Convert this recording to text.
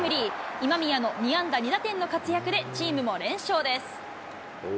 今宮の２安打２打点の活躍で、チームも連勝です。